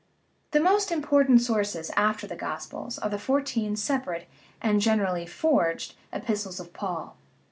The most important sources after the gospels are the fourteen separate (and generaFy forged) epistles of Paul.